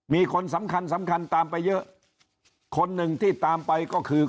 มีคนสำคัญสำคัญตามไปเยอะคนหนึ่งที่ตามไปก็คือ